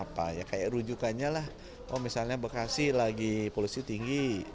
kayak rujukannya lah misalnya bekasi lagi polusi tinggi